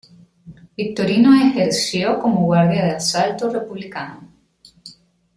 Victorino ejerció como Guardia de Asalto republicano.